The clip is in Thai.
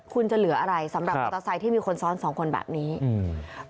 คุณจะเหลืออะไรสำหรับมอเตอร์ไซค์ที่มีคนซ้อนสองคนแบบนี้อืม